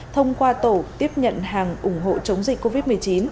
thông qua tổ tiếp nhận hàng ủng hộ chống dịch covid một mươi chín